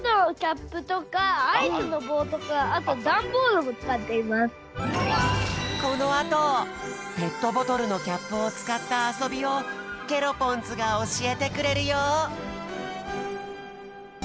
あとはこのあとぺットボトルのキャップをつかったあそびをケロポンズがおしえてくれるよ！